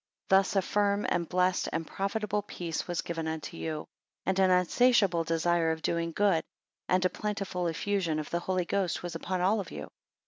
10 Thus a firm, and blessed, and profitable peace was given unto you: and an unsatiable desire of doing good; and a plentiful effusion of the Holy Ghost was upon all of you.